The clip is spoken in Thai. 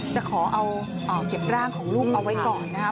จะขอเอาเก็บร่างของลูกเอาไว้ก่อนนะครับ